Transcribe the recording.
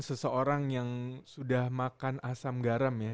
seseorang yang sudah makan asam garam ya